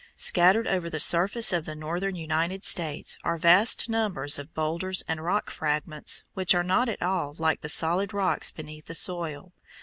Scattered over the surface of the northern United States are vast numbers of boulders and rock fragments which are not at all like the solid rocks beneath the soil.